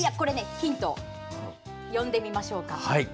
ヒントを読んでみましょうか。